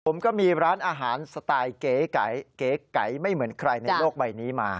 ผมก็มีร้านอาหารสไตล์เก๋ไก่ไม่เหมือนใครในโลกใบนี้มา